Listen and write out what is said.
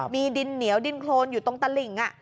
มีดินเหนียวดินโครนอยู่ตรงตะหลิ่ง